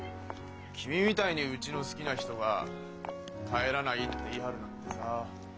君みたいにうちの好きな人が「帰らない」って言い張るなんてさあ。